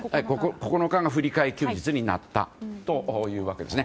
９日の振り替え休日になったというわけですね。